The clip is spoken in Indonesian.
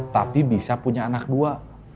tapi bisa punya anak dua